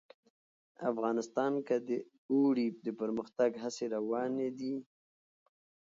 افغانستان کې د اوړي د پرمختګ هڅې روانې دي.